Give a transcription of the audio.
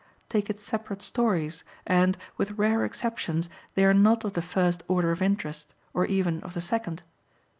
Take its separate stories, and, with rare exceptions, they are not of the first order of interest, or even of the second.